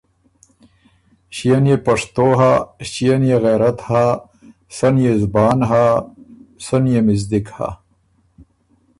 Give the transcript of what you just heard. ݭيې نيې پشتو هۀ، ݭيې نيې غېرت هۀ، سۀ نيې زبان هۀ، سۀ نيې مِزدِک هۀ۔